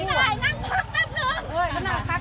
สวัสดีครับคุณพลาด